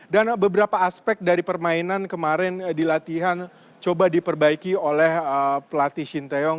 dan beberapa aspek dari permainan kemarin di latihan coba diperbaiki oleh pelatih shinteong